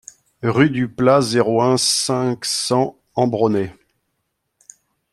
Rue du Plat, zéro un, cinq cents Ambronay